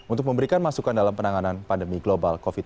untuk memberikan masukan dalam penanganan pandemi global covid sembilan belas